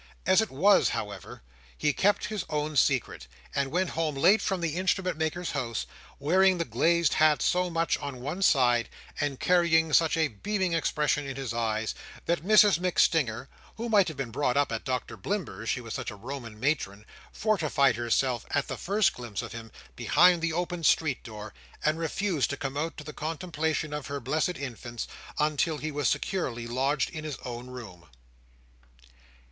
As it was, however, he kept his own secret; and went home late from the Instrument maker's house, wearing the glazed hat so much on one side, and carrying such a beaming expression in his eyes, that Mrs MacStinger (who might have been brought up at Doctor Blimber's, she was such a Roman matron) fortified herself, at the first glimpse of him, behind the open street door, and refused to come out to the contemplation of her blessed infants, until he was securely lodged in his own room.